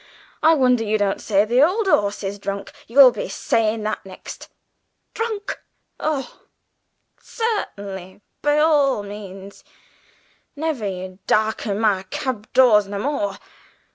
I wonder yer don't say the old 'orse is drunk; you'll be sayin' that next! Drunk! oh, cert'nly, by all means. Never you darken my cab doors no more.